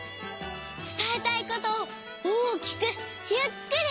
つたえたいことを大きくゆっくりはなす。